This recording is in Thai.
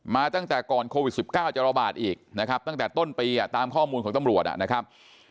ตั้งแต่ก่อนโควิด๑๙จะระบาดอีกนะครับตั้งแต่ต้นปีตามข้อมูลของตำรวจนะครับ